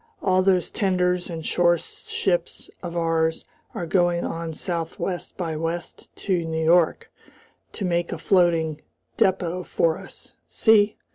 All those tenders and store ships of ours are going on southwest by west to New York to make a floating depot for us. See?"